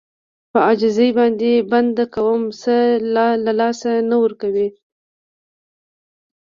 په عاجزي باندې بنده کوم څه له لاسه نه ورکوي.